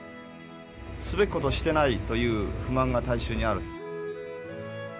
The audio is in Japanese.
すべきことをしてないという不満が大衆にある。